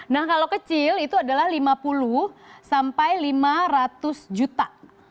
nah kalau kecil itu adalah lima puluh sampai lima ratus juta